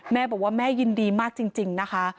แม่บอกว่าแม่ยินดีมากจริงนะคะ